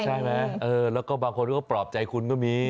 ใช่ไหมแล้วก็บางคนก็ปลอบใจคุณก็มี